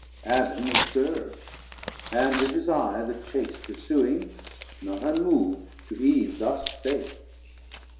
190 Adam observ'd, and with his Eye the chase Pursuing, not unmov'd to Eve thus spake.